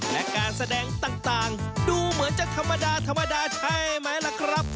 และการแสดงต่างดูเหมือนจะธรรมดาธรรมดาใช่ไหมล่ะครับ